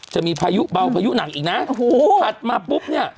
จะมีพายุเบาพายุหนักอีกนะโอ้โหถัดมาปุ๊บเนี่ย